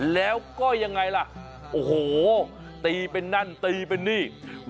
แล้วก็ยังไงล่ะโอ้โหตีเป็นนั่นตีเป็นนี่